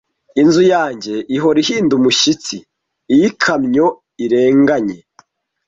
Inzu yanjye ihora ihinda umushyitsi iyo ikamyo irenganye